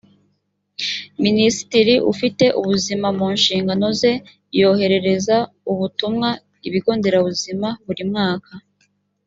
minisitiri ufite ubuzima mu nshingano ze yoherereza ubutumwa ibigonderabuzima buri mwaka.